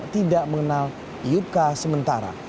tidak mengenal iupka sementara